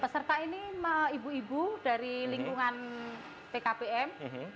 peserta ini ibu ibu dari lingkungan pkpm